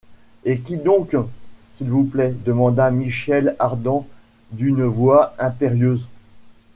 Et qui donc, s’il vous plaît? demanda Michel Ardan d’une voix impérieuse.